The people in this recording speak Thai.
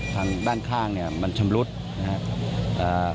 ทางด้านข้างเนี่ยมันชำรุดนะครับ